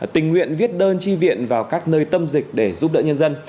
tình nguyện viết đơn tri viện vào các nơi tâm dịch để giúp đỡ nhân dân